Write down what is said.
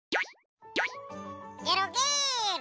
ゲロゲロ！